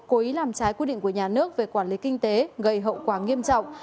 cố ý làm trái quy định của nhà nước về quản lý kinh tế gây hậu quả nghiêm trọng